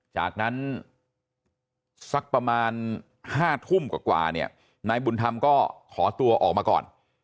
จากนั้นสักประมาณ๕ทุ่มกว่าเนี่ยนายบุญธรรมก็ขอตัวออกมาก่อน